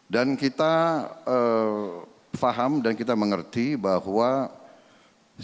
dan kita faham dan kita mengerti bahwa sistem akan mendukung dan memperbaiki